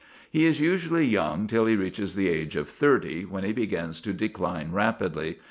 He is usually young till he reaches the age of thirty, when he begins to decline rapidly.